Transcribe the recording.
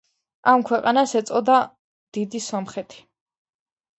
ამ ქვეყანას ეწოდა დიდი სომხეთი.